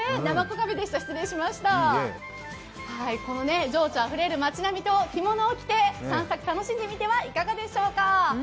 この情緒をあふれる町並みと着物を着て散策を楽しんでみてはいかがでしょうか。